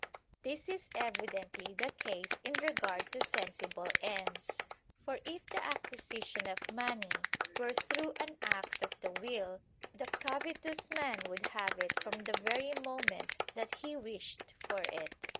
This is evidently the case in regard to sensible ends. For if the acquisition of money were through an act of the will, the covetous man would have it from the very moment that he wished for it.